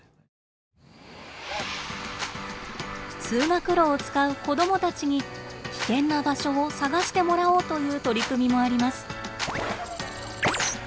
通学路を使う子どもたちに危険な場所を探してもらおうという取り組みもあります。